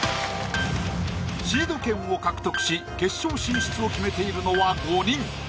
シード権を獲得し決勝進出を決めているのは五人。